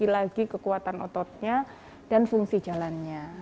lagi kekuatan ototnya dan fungsi jalannya